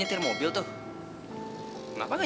alhamdulillah ya allah